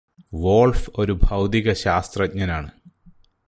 wolf ഒരു ഭൗതിക ശാസ്ത്രജ്ഞനാണ്